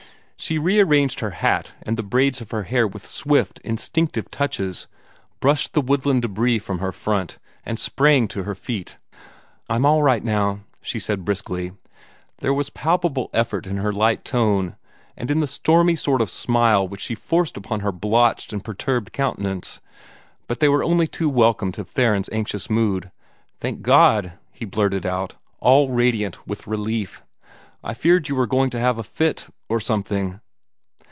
She rearranged her hat and the braids of her hair with swift, instinctive touches, brushed the woodland debris from her front, and sprang to her feet. "I'm all right now," she said briskly. There was palpable effort in her light tone, and in the stormy sort of smile which she forced upon her blotched and perturbed countenance, but they were only too welcome to Theron's anxious mood. "Thank God!" he blurted out, all radiant with relief. "I feared you were going to have a fit or something."